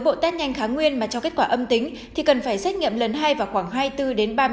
bộ test nhanh kháng nguyên mà cho kết quả âm tính thì cần phải xét nghiệm lần hai vào khoảng hai mươi bốn đến ba mươi